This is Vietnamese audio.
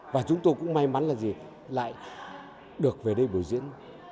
và chúng tôi cũng may mắn là gì lại được về đây biểu diễn